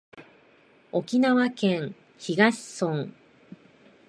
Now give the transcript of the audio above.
沖縄県東村